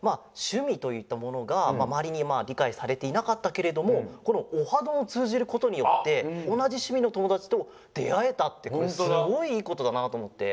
しゅみといったものがまわりにりかいされていなかったけれどもこの「オハどん！」をつうじることによっておなじしゅみのともだちとであえたってこれすごいいいことだなと思って。